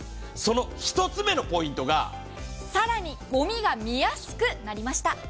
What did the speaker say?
その１つ目のポイントが更にごみが見やすくなりました。